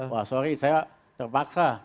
wah sorry saya terpaksa